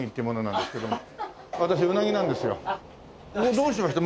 どうしました？